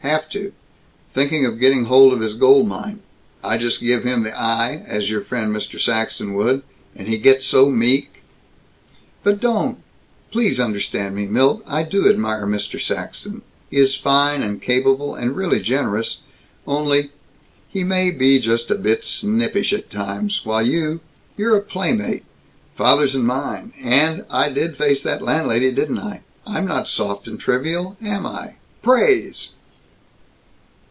Have to. Thinking of getting hold of his gold mine. I just give him the eye, as your friend Mr. Saxton would, and he gets so meek " "But don't! Please understand me, Milt; I do admire Mr. Saxton; he is fine and capable, and really generous; only He may be just a bit snippish at times, while you you're a playmate father's and mine and I did face that landlady, didn't I! I'm not soft and trivial, am I! Praise!"